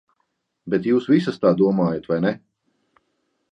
Bet jūs visas tā domājat, vai ne?